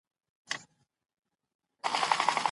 مساوات د ټولني پرمختګ تضمینوي.